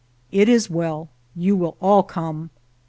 It is well — you will all come.